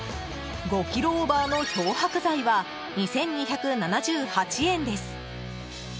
５ｋｇオーバーの漂白剤は２２７８円です。